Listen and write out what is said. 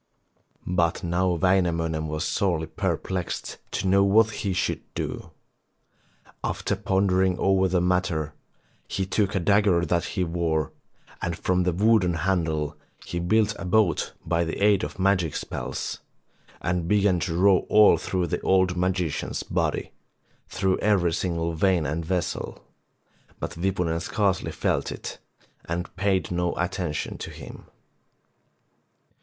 But now Wainamoinen was sorely per plexed to know what he should do. After pondering over the matter, he took a dagger that he wore, and from the wooden handle he built a boat by the aid of magic spells, and began to row all through the old magician's body, through every single vein and vessel, but Wipunen scarcely felt it, and paid no attention to him.